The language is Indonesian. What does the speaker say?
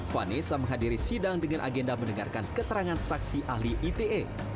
vanessa menghadiri sidang dengan agenda mendengarkan keterangan saksi ahli ite